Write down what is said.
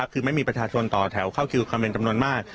คือไม่มีประชาชนต่อแถวเข้าคิวกันเป็นจำนวนมาก